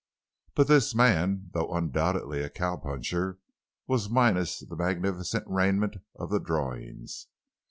But this man, though undoubtedly a cow puncher, was minus the magnificent raiment of the drawings.